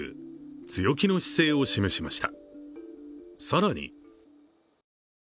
強気の姿勢を示しました。